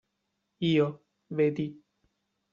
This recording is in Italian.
Io, vedi.